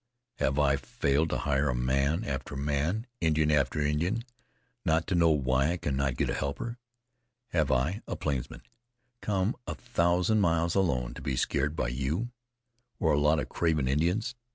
Have I failed to hire man after man, Indian after Indian, not to know why I cannot get a helper? Have I, a plainsman, come a thousand miles alone to be scared by you, or a lot of craven Indians?